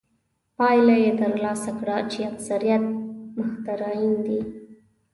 پایله یې ترلاسه کړه چې اکثریت مخترعین.